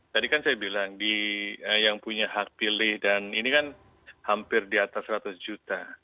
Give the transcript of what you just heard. tadi kan saya bilang yang punya hak pilih dan ini kan hampir di atas seratus juta